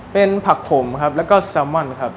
เป็นผักขมครับแล้วก็แซลมอนครับ